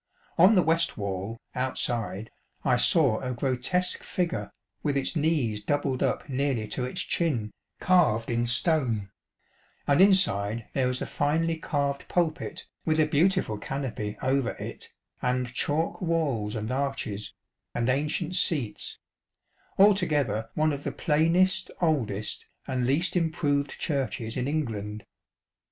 On the west wall, outside, I saw a grotesque figure, with its knees doubled up nearly to its chin, carved in stone ; and inside there is a finely carved pulpit with a beautiful canopy over it, and chalk walls and arches, and ancient seats ŌĆö altogether one of the plainest, oldest, and least " improved " churches in England.